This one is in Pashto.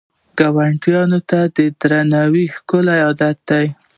ګاونډي ته درناوی ښکلی عادت دی